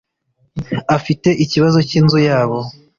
afite ikibazo cy inzu yabo